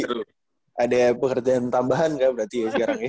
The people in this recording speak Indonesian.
oh jadi ada pekerjaan tambahan gak berarti ya sekarang ya